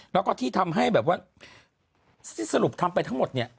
แล้วก็ที่ทำให้แบบว่าที่สรุปทำไปทั้งหมดเนี่ย